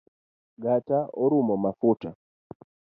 Gacha orumo mafuta